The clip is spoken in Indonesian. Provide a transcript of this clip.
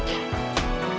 taruh di depan